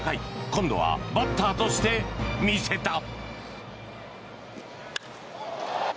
今度はバッターとして見せた。